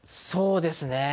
そうですね。